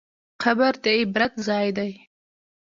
قبر د عبرت ځای دی.